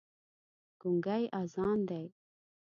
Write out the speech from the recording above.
ګونګی اذان دی